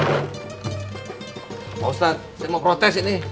pak ustadz saya mau protes ini